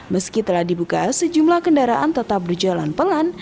meski telah dibuka sejumlah kendaraan tetap berjalan pelan